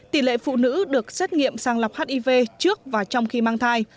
tỷ lệ phụ nữ được xét nghiệm sang lọc hiv trước và trong khi mang thai